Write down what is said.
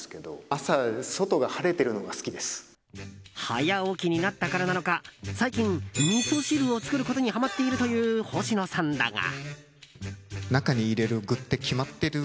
早起きになったからなのか最近、みそ汁を作ることにハマっているという星野さんだが。